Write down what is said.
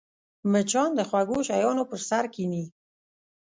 مچان د خوږو شیانو پر سر کښېني